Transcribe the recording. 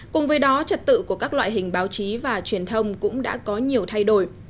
cùng với đó trật tự của các loại hình báo chí và truyền thông cũng đã có nhiều thay đổi